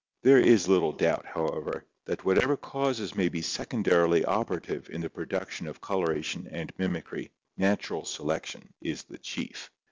There is little doubt, however, that whatever causes may be secondarily operative in the production of coloration and mimicry, natural selection is the chief.